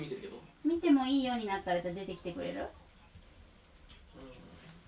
見てもいいようになったらじゃあ出てきてくれる？